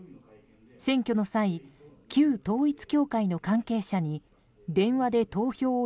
選挙の際、旧統一教会の関係者に電話で投票を